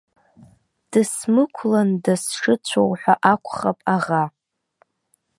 Дысмықәланда сшыцәоу ҳәа акәхап аӷа.